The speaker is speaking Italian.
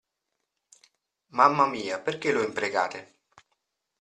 Mamma mia, perché lo imprecate?